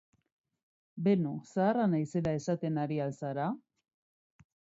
Beno, zaharra naizela esaten ari al zara?